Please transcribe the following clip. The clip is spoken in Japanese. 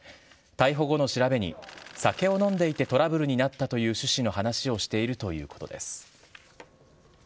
逮捕後の調べに、酒を飲んでいてトラブルになったという趣旨の話をしているということです。